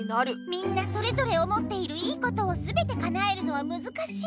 みんなそれぞれ思っている良いことをすべてかなえるのはむずかしい。